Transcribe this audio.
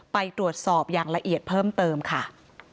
ไปตรวจสอบอย่างละเอียดเพิ่มเติมค่ะ